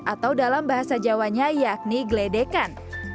atau dalam bahasa jawanya yakni gledekan